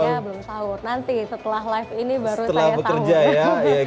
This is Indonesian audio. iya belum sahur nanti setelah live ini baru saya sahur